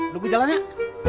tunggu jalan yuk